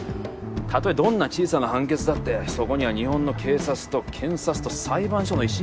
たとえどんな小さな判決だってそこには日本の警察と検察と裁判所の威信がかかってんだよ。